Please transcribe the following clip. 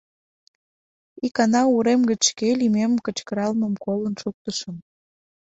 Икана урем гыч шке лӱмем кычкыралмым колын шуктышым.